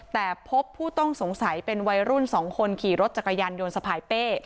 แต่พบผู้ต้องสงสัยเป็นวัยรุ่น๒คนขี่รถจักรยานยนต์สะพายเป้